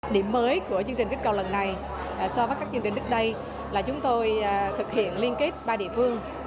điểm mới của chương trình kích cầu lần này so với các chương trình đức đây là chúng tôi thực hiện liên kết ba địa phương